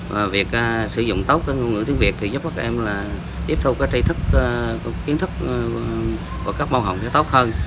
và việc sử dụng tốt ngôn ngữ tiếng việt thì giúp cho các em tiếp thu kiến thức của các mâu hồng tốt hơn